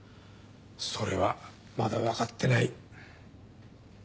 それはまだ分かってない。